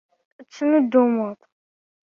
Ad tennuddmed.